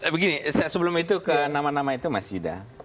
begini sebelum itu ke nama nama itu mas yuda